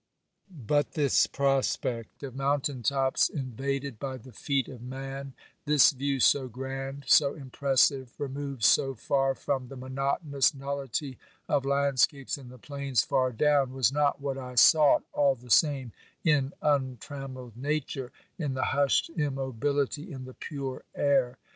But this prospect of mountain tops invaded by the feet of man, this view so grand, so impressive, removed so far from the monotonous nullity of landscapes in the plains far down, was not what I sought, all the same, in un trammelled Nature, in the hushed immobility, in the pure air.